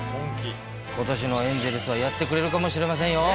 ことしのエンゼルスはやってくれるかもしれませんよ。